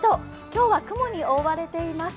今日は雲に覆われています。